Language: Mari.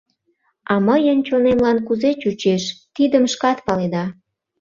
А мыйын чонемлан кузе чучеш, тидым шкат паледа.